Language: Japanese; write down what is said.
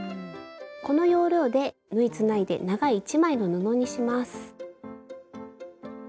この要領で縫いつないで長い１枚の布にします。